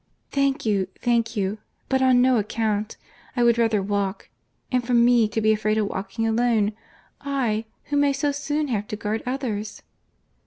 "Thank you, thank you—but on no account.—I would rather walk.—And for me to be afraid of walking alone!—I, who may so soon have to guard others!"